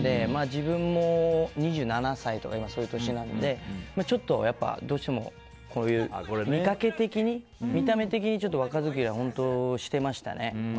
自分も２７歳とかそういう年なのでちょっと、どうしても見かけ的に、見た目的に若作りは本当にしてましたね。